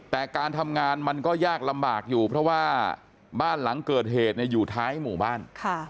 แต่การทำงานมันก็ยากลำบากอยู่เพราะว่าบ้านหลังเกิดเหตุอยู่ท้ายหมู่บ้าน